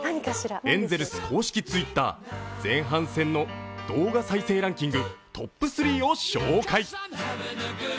エンゼルス公式Ｔｗｉｔｔｅｒ、前半戦の動画再生ランキングトップ３を紹介。